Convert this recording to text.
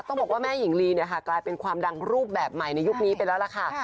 ต้องบอกว่าแม่หญิงลีเนี่ยค่ะกลายเป็นความดังรูปแบบใหม่ในยุคนี้ไปแล้วล่ะค่ะ